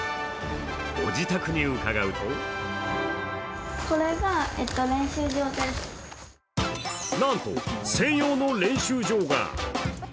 ご自宅に伺うとなんと、専用の練習場が。